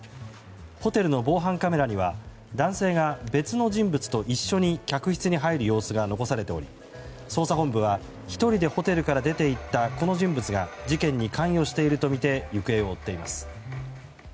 ホテルの防犯カメラには男性が別の人物と一緒に客室に入る様子が残されており捜査本部は、１人でホテルから出ていったこの人物が事件に関与しているとみて行方を追っています。